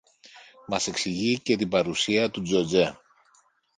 Μας εξηγεί και την παρουσία του Τζοτζέ